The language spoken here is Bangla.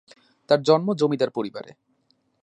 তার জন্ম জমিদার পরিবারে।